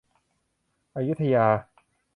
อยุธยา